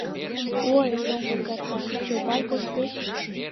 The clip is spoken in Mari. Ой, шоҥго карта Чопай коштеш!